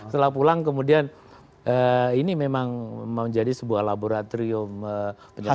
setelah pulang kemudian ini memang menjadi sebuah laboratorium penyelamatan